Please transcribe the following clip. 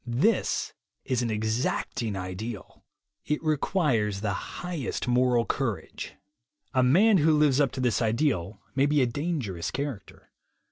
This is an exacting ideal. It requires the highest moral courage. A man who lives up to this ideal may be a "dangerous" character.